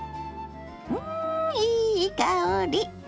うんいい香り！